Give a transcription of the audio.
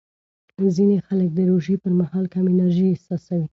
ځینې خلک د روژې پر مهال کم انرژي احساسوي.